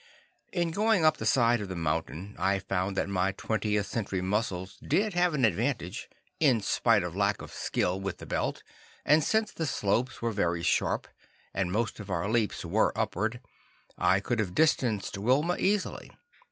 In going up the side of the mountain, I found that my 20th Century muscles did have an advantage, in spite of lack of skill with the belt, and since the slopes were very sharp, and most of our leaps were upward, I could have distanced Wilma easily.